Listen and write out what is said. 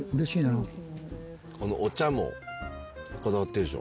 このお茶もこだわってるでしょ。